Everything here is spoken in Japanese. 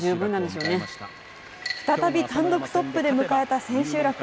再び単独トップで迎えた千秋楽。